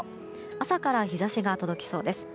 朝から日差しが届きそうです。